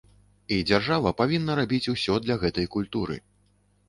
І дзяржава павінна рабіць усё для гэтай культуры.